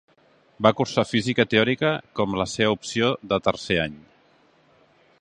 Va cursar física teòrica com la seva opció de tercer any.